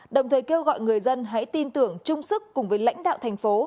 đồng thời kêu gọi người dân hãy tin tưởng chung sức cùng với lãnh đạo thành phố